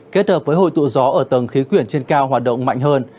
kết hợp với hội tụ gió ở tầng khí quyển trên cao hoạt động mạnh hơn